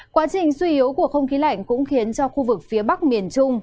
quá trình suy yếu của không khí lạnh cũng khiến cho khu vực phía bắc miền trung